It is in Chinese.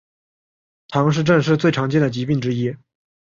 唐氏症是最常见的疾病之一。